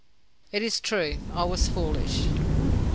"It is true. I was foolish."